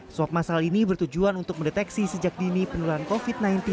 swab masal ini bertujuan untuk mendeteksi sejak dini penularan covid sembilan belas